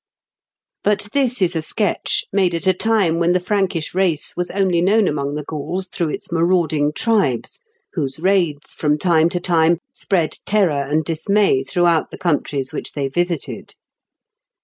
But this is a sketch made at a time when the Frankish race was only known among the Gauls through its marauding tribes, whose raids, from time to time, spread terror and dismay throughout the countries which they visited.